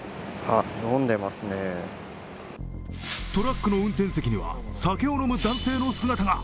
トラックの運転席には酒を飲む男性の姿が。